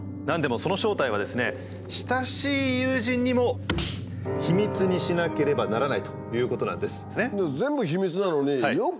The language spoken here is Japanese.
何でもその正体はですね親しい友人にも秘密にしなければならないということなんですね。